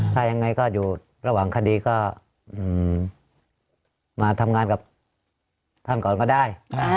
ถ้ายังไงก็อยู่ระหว่างคดีก็มาทำงานกับท่านก่อนก็ได้